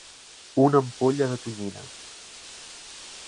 Una ampolla de tonyina.